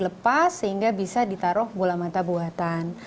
lepas sehingga bisa ditaruh bola mata buatan